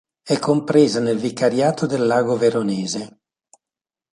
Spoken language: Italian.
È compresa nel vicariato del Lago Veronese.